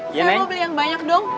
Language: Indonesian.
saya mau beli yang banyak dong